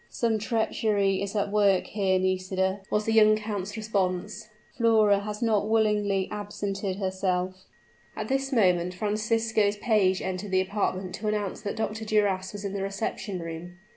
"Some treachery is at work here, Nisida," was the young count's response. "Flora has not willingly absented herself." At this moment Francisco's page entered the apartment to announce that Dr. Duras was in the reception room.